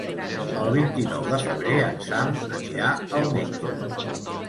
El vint-i-nou de febrer en Sam anirà al metge.